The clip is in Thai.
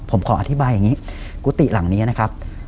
ผมขออธิบายอย่างนี้กุฏิหลังนี้นะครับ